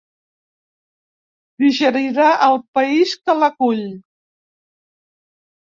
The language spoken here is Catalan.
Digerirà el país que l'acull.